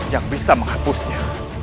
yang bisa menghapusnya